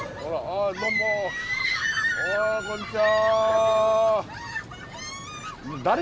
あこんにちは。